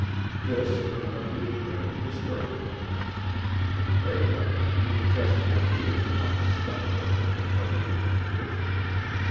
This, in an oblique way, disturbed them. It lay like an indigestible fear upon the stomach of incarnated Tradition.